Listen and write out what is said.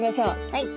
はい。